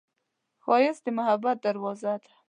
ښایست د محبت دروازه ده